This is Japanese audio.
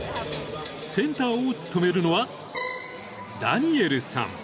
［センターを務めるのはダニエルさん］